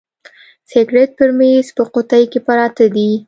سګرېټ پر میز په قوطۍ کي پراته دي.